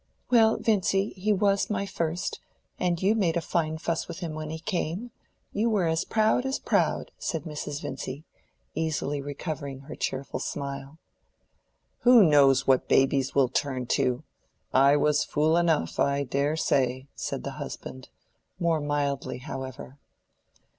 "Well, Vincy, he was my first, and you made a fine fuss with him when he came. You were as proud as proud," said Mrs. Vincy, easily recovering her cheerful smile. "Who knows what babies will turn to? I was fool enough, I dare say," said the husband—more mildly, however.